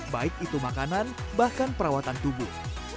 baik itu makanan bahkan perawatan tubuh